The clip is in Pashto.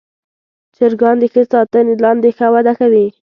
چرګان د ښه ساتنې لاندې ښه وده کوي.